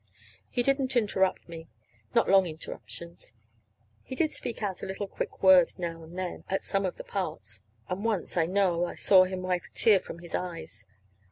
He didn't interrupt me not long interruptions. He did speak out a quick little word now and then, at some of the parts; and once I know I saw him wipe a tear from his eyes.